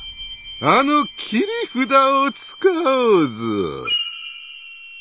あの切り札を使おうぞ。